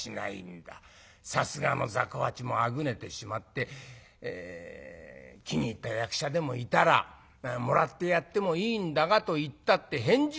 さすがのざこ八もあぐねてしまって『気に入った役者でもいたらもらってやってもいいんだが』と言ったって返事もしない。